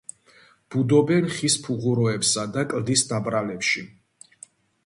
ბუდობენ ხის ფუღუროებსა და კლდის ნაპრალებში.